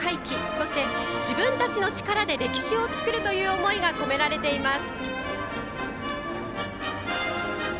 そして、自分たちの力で歴史を作るという思いが込められています。